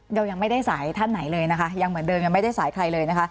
เรายังไม่ได้สายท่านไหนเลยนะคะยังเหมือนเดิมยังไม่ได้สายใครเลยนะคะ